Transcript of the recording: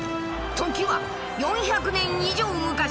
時は４００年以上昔。